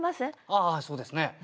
ああそうですね。